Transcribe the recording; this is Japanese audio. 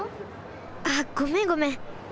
あっごめんごめん。